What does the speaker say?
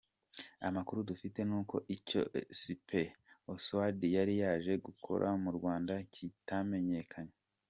Amakuru dufite nuko icyo Cpl Oswald yari yaje gukora mu Rwanda kitamenyekanye.